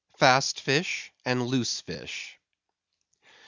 Fast Fish and Loose Fish.